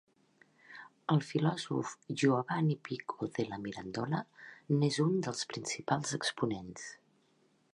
El filòsof Giovanni Pico della Mirandola n'és un dels principals exponents.